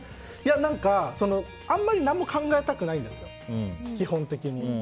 あんまり何も考えたくないんですよ、基本的に。